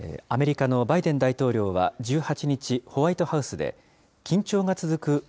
アメリカのバイデン大統領は１８日、ホワイトハウスで、緊張が続く